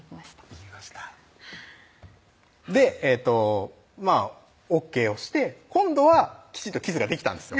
言いましたでＯＫをして今度はきちんとキスができたんですよ